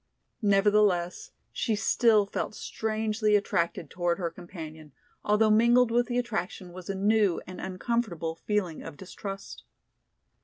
Nevertheless she still felt strangely attracted toward her companion, although mingled with the attraction was a new and uncomfortable feeling of distrust.